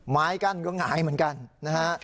ไม้กั้นก็หงายเหมือนกันนะฮะ